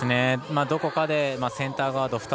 どこかでセンターガード